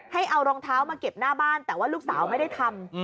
ให้เอารองเท้ามาเก็บหน้าบ้านแต่ว่าลูกสาวไม่ได้ทำ